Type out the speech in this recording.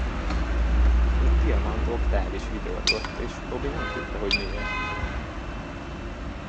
Most Diamant Oktáv is vigyorgott, és Bobby nem tudta, hogy miért.